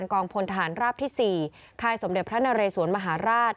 กองพลทหารราบที่๔ค่ายสมเด็จพระนเรสวนมหาราช